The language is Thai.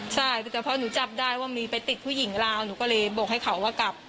ใช่แต่พอหนูจับได้ว่ามีไปติดผู้หญิงลาวหนูก็เลยบอกให้เขาว่ากลับ